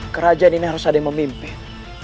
kerajaan ini harus ada yang memimpin